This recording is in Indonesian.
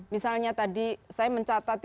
misalnya tadi saya mencatat